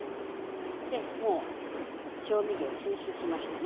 でもう調味料吸収しましたね。